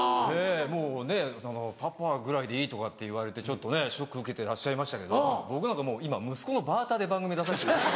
もうね「パパぐらいでいい」とかって言われてちょっとショック受けてらっしゃいましたけど僕なんか今息子のバーターで番組出させてもらって。